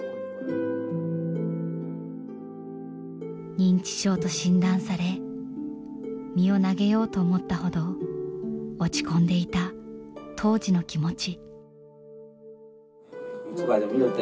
認知症と診断され身を投げようと思ったほど落ち込んでいた当時の気持ち。